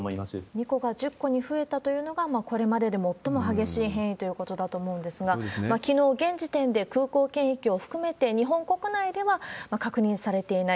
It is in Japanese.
２個が１０個に増えたというのが、これまでで最も激しい変異ということだと思うんですが、きのう、現時点で空港検疫を含めて、日本国内では確認されていない。